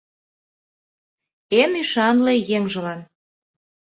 Эн ӱшанле еҥжылан...»